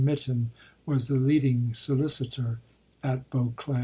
Mitton was the leading solicitor at Beauclere.